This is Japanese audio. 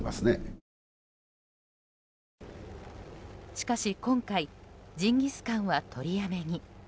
しかし今回ジンギスカンは取りやめに。